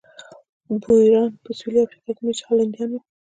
بویران په سوېلي افریقا کې مېشت هالنډیان وو.